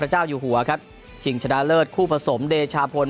เจ้าอยู่หัวครับชิงชนะเลิศคู่ผสมเดชาพล